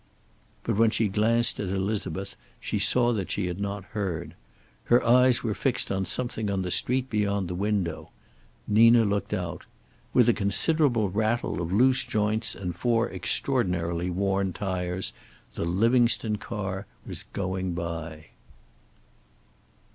But when she glanced at Elizabeth she saw that she had not heard. Her eyes were fixed on something on the street beyond the window. Nina looked out. With a considerable rattle of loose joints and four extraordinarily worn tires the Livingstone car was going by.